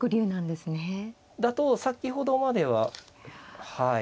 だと先ほどまでははい。